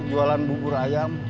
jualan bubur ayam